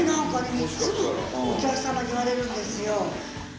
いっつもお客様に言われるんですよ。